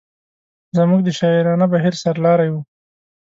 زموږ د شاعرانه بهیر سر لاری و.